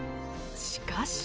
しかし。